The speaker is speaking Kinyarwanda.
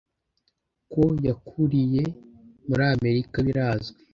Ko yakuriye muri Amerika birazwi